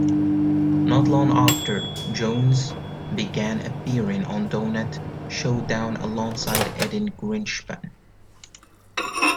Not long after, Jones began appearing on Donut Showdown alongside Edin Grinshpan.